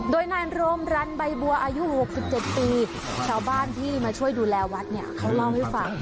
โดยนั้นโรมรัฒน์ใบบัวอายุหกสิบเจ็ดปีชาวบ้านที่มาช่วยดูแลวัฒน์เนี่ยเขาเล่าให้ฟัง